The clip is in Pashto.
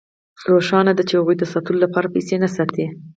روښانه ده چې هغوی د ساتلو لپاره پیسې نه ساتي